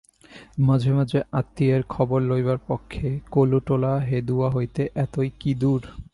মাঝে মাঝে আত্মীয়ের খবর লইবার পক্ষে কলুটোলা হেদুয়া হইতে এতই কি দূর?